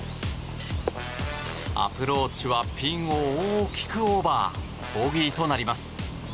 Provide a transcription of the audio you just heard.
アプローチはピンを大きくオーバーボギーとなります。